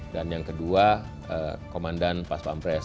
dan yang kedua komandan pas pampres